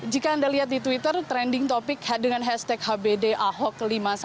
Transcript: jika anda lihat di twitter trending topic dengan hashtag hbd ahok lima puluh satu